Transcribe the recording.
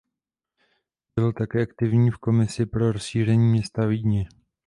Byl také aktivní v komisi pro rozšíření města Vídně.